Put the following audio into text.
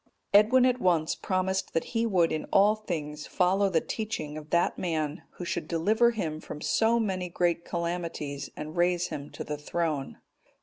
Edwin at once promised that he would in all things follow the teaching of that man who should deliver him from so many great calamities, and raise him to a throne.